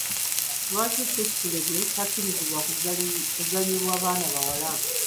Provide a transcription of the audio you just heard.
Lwaki Ssekitulege takkirizibwa kuzannyibwa baana bawala?